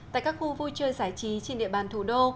tại các khu vui chơi giải trí trên địa bàn thủ đô